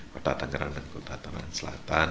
kota tangerang dan kota tangerang selatan